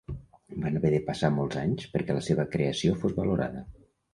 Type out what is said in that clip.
Van haver de passar molts anys perquè la seva creació fos valorada.